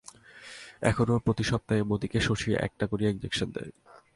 এখনো প্রতি সপ্তাহে মতিকে শশী একটা করিয়া ইনজেকশন দেয়।